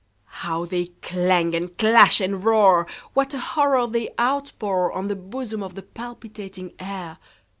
How they clang, and clash, and roar! What a horror they outpourOn the bosom of the palpitating air!